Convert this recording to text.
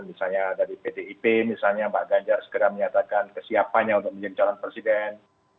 misalnya dari pdip misalnya pak ganjar segera menyatakan kesiapannya untuk menjadi calon presiden